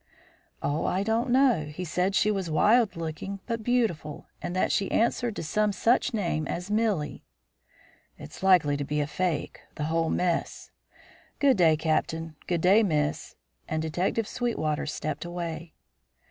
"Oh, I don't know. He said she was wild looking, but beautiful, and that she answered to some such name as Millie." "It's likely to be a fake, the whole mess. Good day, Captain; good day, Miss." And Detective Sweetwater stepped away.